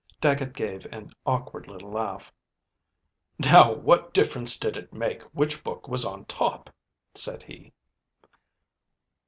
Dagget gave an awkward little laugh. " Now what difference did it make which book was on top?" said he.